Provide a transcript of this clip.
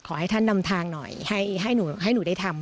ขอให้ท่านนำทางหน่อยให้หนูได้ทำ